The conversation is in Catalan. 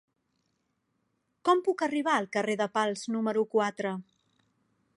Com puc arribar al carrer de Pals número quatre?